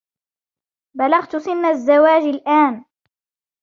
بلغت سنّ الزواج الآن.